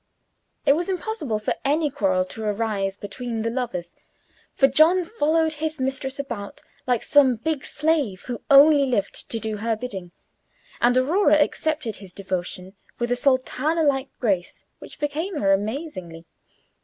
It was impossible for any quarrel to arise between the lovers, for John followed his mistress about like some big slave, who only lived to do her bidding; and Aurora accepted his devotion with a sultana like grace, which became her amazingly.